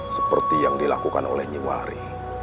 seperti yang dilakukan oleh nyewari